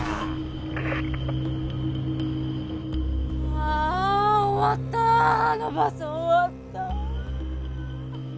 あ終わったあのバス終わった。